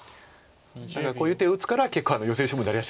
だからこういう手を打つから結構ヨセ勝負になりやすいんです。